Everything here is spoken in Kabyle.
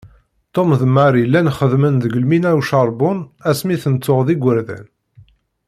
Tom d Marie llan xeddmen deg lmina ucerbun asmi ten-tuɣ d igerdan.